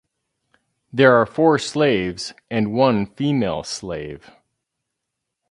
There are four slaves and one female slave.